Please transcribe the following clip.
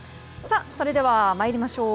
それでは参りましょう。